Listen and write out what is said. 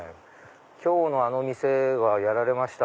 今日のあの店はやられました。